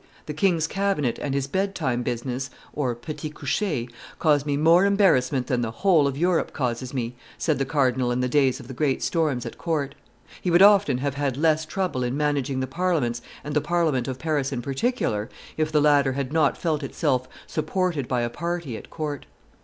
"The king's cabinet and his bed time business (petit coucher) cause me more embarrassment than the whole of Europe causes me," said the cardinal in the days of the great storms at court; he would often have had less trouble in managing the parliaments and the Parliament of Paris in particular, if the latter had not felt itself supported by a party at court.